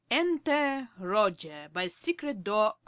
_) Enter Roger _by secret door R.